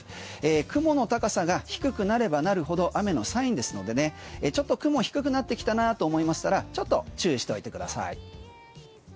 雲の高さが低くなればなるほど雨のサインですのでちょっと雲低くなってきたなと思いましたらちょっと注意しておいてください。